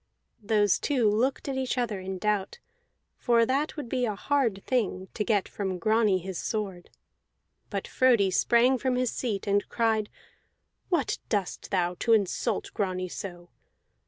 Those two looked at each other in doubt, for that would be a hard thing, to get from Grani his sword. But Frodi sprang from his seat, and cried: "What dost thou now, to insult Grani so?